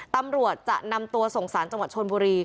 ตำรวจจะนำตัวส่งสารจังหวัดชนบุรี